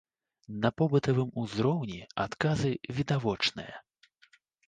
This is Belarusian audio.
На побытавым узроўні адказы відавочныя.